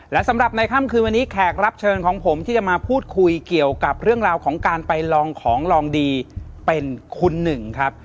และสำหรับในค่ำคืนวันนี้แขกรับเชิญของผมที่จะมาพูดคุยเกี่ยวกับเรื่องราวของการไปลองของลองดีเป็นคุณหนึ่งครับ